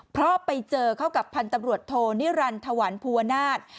เพราะไปเจอเข้ากับพันธุ์ตำรวจโทนิรันดิถวันภูวนาศ